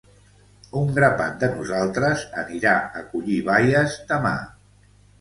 Un grapat de nosaltres anirà a collir baies demà.